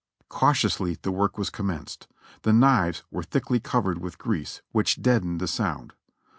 Cautiously the work was commenced ; the knives were thickly covered with grease, which deadened the sound.